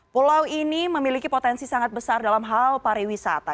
pulau ini memiliki potensi sangat besar dalam hal pariwisata